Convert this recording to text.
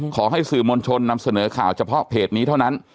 ขอให้สื่อมวลชนนำเสนอข่าวเฉพาะเพจนี้เท่านั้น